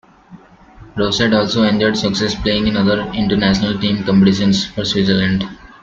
Rosset also enjoyed success playing in other international team competitions for Switzerland.